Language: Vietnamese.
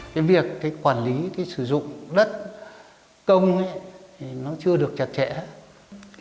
cái việc cái quản lý cái sử dụng đất công nó chưa được chặt chẽ hết